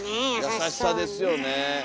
優しさですよね。